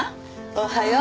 おはよう。